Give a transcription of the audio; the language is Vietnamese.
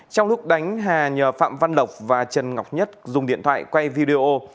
trong lúc đánh hà nhờ phạm văn lộc và trần ngọc nhất dùng điện thoại quay video